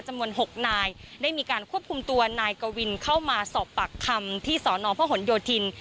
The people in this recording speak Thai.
จำนวน๖นายได้มีการควบคุมตัวนายกวินเข้ามาสอบปากคำที่สอนอพหนโยธิน